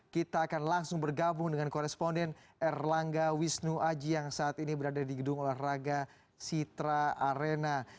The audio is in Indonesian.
kita akan langsung bergabung dengan koresponden erlangga wisnu aji yang saat ini berada di gedung olahraga citra arena